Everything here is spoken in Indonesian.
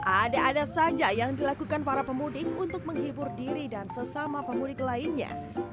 ada ada saja yang dilakukan para pemudik untuk menghibur diri dan sesama pemudik lainnya